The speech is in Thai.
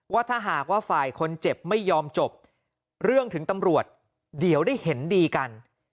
ว่าถ้าหากว่าฝ่ายคนเจ็บไม่ยอมจบเรื่องถึงตำรวจเดี๋ยวได้เห็นดีกัน